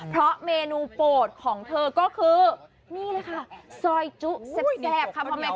เพราะเมนูโปรดของเธอก็คือโซยจุแซบ